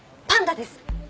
パンダです。